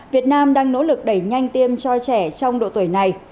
việt nam đang nỗ lực đẩy nhanh tiêm cho trẻ trong độ tuổi này